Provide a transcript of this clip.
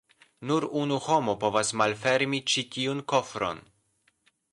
Nur unu homo povas malfermi ĉi tiun kofron.